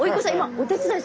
お手伝い。